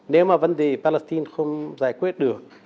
nếu mà vấn đề palestine không giải quyết được